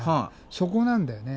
そこなんだよね。